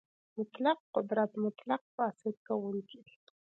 مطلق قدرت مطلق فاسد کوونکی دی.